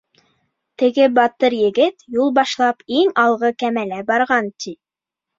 Теге батыр егет юл башлап иң алғы кәмәлә барған, ти.